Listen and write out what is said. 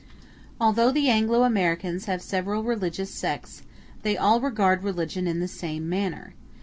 Although the Anglo Americans have several religious sects, they all regard religion in the same manner.